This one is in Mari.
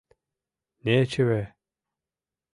Нечыве!